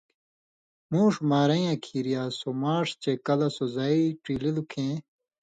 مُوݜ مارَیں یاں کریا سو ماݜ چے کلہۡ سو زائ ڇیلِلوۡ کھیں